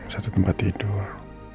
satu tempat tidur